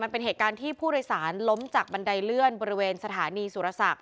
เป็นเหตุการณ์ที่ผู้โดยสารล้มจากบันไดเลื่อนบริเวณสถานีสุรศักดิ